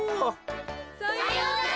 さようなら。